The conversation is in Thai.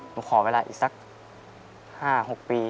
ขอเวลาอีกสัก๕๖ปี